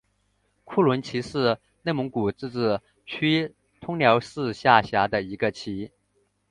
库伦旗是内蒙古自治区通辽市下辖的一个旗。